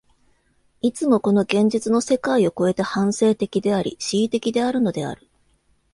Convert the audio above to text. いつもこの現実の世界を越えて、反省的であり、思惟的であるのである。